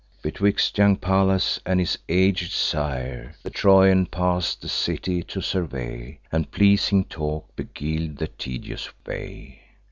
Betwixt young Pallas and his aged sire, The Trojan pass'd, the city to survey, And pleasing talk beguil'd the tedious way.